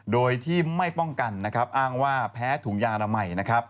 โดยที่ไม่ป้องกันอ้างว่าแพ้ถุงยาละไหม